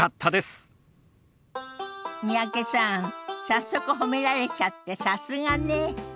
早速褒められちゃってさすがね。